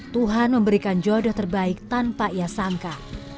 tuhan memberikan jodoh terbaik tanpa ia sangka